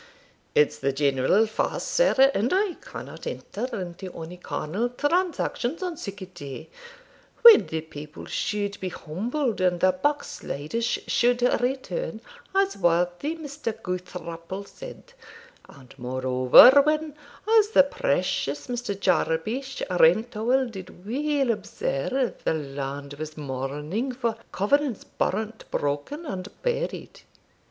'It's the general fast, sir, and I cannot enter into ony carnal transactions on sic a day, when the people should be humbled and the backsliders should return, as worthy Mr. Goukthrapple said; and moreover when, as the precious Mr. Jabesh Rentowel did weel observe, the land was mourning for covenants burnt, broken, and buried.'